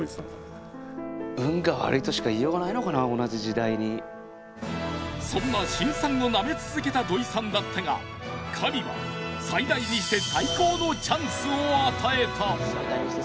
中でもそんな辛酸をなめ続けた土井さんだったが神は最大にして最高のチャンスを与えた。